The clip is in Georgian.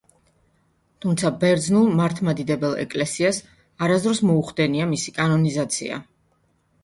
თუმცა ბერძნულ მართლმადიდებელ ეკლესიას არასოდეს მოუხდენია მისი კანონიზაცია.